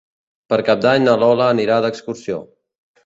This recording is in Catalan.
Per Cap d'Any na Lola anirà d'excursió.